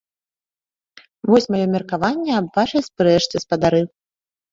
Вось маё меркаванне аб вашай спрэчцы, спадары!